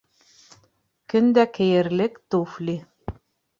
Көн дә кейерлек туфли